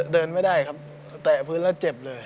เดินไม่ได้ครับแตะพื้นแล้วเจ็บเลย